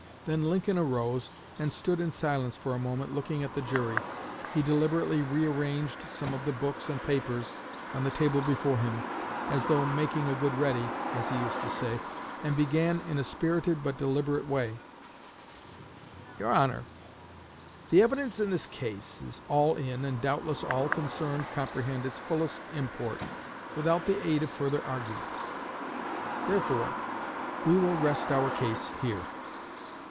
Then Lincoln arose, and stood in silence for a moment, looking at the jury. He deliberately re arranged some of the books and papers on the table before him, as though "making a good ready," as he used to say, and began in a spirited but deliberate way: "Your Honor, the evidence in this case is all in, and doubtless all concerned comprehend its fullest import without the aid of further argument. Therefore we will rest our case here."